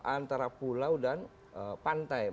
antara pulau dan pantai